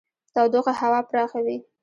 تودوخه هوا پراخوي.